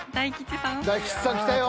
大吉さんきたよ。